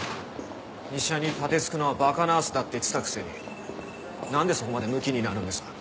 医者に盾突くのは馬鹿ナースだって言ってたくせになんでそこまでムキになるんですか？